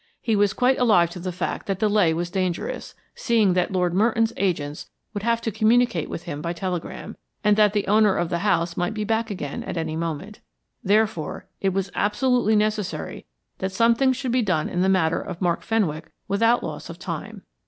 He was quite alive to the fact that delay was dangerous, seeing that Lord Merton's agents would have to communicate with him by telegram, and that the owner of the house might be back again at any moment. Therefore, it was absolutely necessary that something should be done in the matter of Mark Fenwick without loss of time.